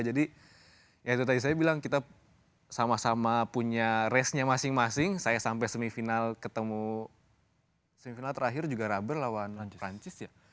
jadi ya itu tadi saya bilang kita sama sama punya race nya masing masing saya sampai semifinal ketemu semifinal terakhir juga raber lawan francis ya